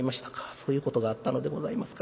そういうことがあったのでございますか。